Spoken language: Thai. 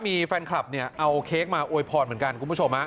มีแฟนคลับเนี่ยเอาเค้กมาอวยพรเหมือนกันคุณผู้ชม